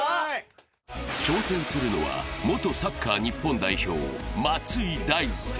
挑戦するのは元サッカー日本代表・松井大輔。